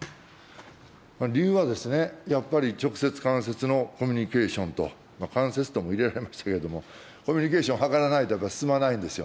理由はやっぱり、直接、間接のコミュニケーションと、間接とも入れられましたけれども、コミュニケーションを図らないと進まないんですよ。